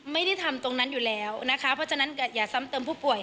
ไม่ได้ทำตรงนั้นอยู่แล้วนะคะเพราะฉะนั้นอย่าซ้ำเติมผู้ป่วย